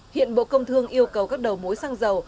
hiện bộ công thương yêu cầu các đầu mối xăng dầu